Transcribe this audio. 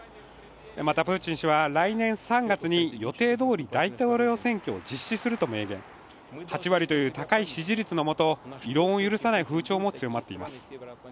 またプーチン氏は来年３月に予定通り大統領選挙を実施すると明言８割という高い支持率のもと、異論を許さない風潮も強まっています